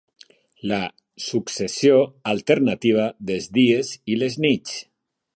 La successió alternativa dels dies i les nits.